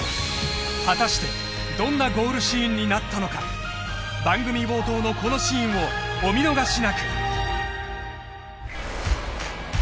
果たしてどんなゴールシーンになったのか番組冒頭のこのシーンをお見逃しなく！